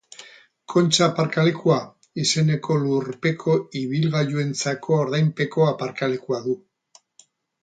Kontxa aparkalekua izeneko lurpeko ibilgailuentzako ordainpeko aparkalekua du.